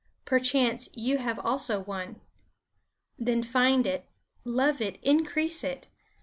Perchance you have also one. Then find it, love it, increase it.